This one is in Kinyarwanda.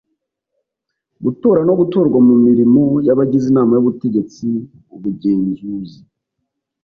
gutora no gutorwa mu mirimo y'abagize inama y'ubutegetsi, ubugenzuzi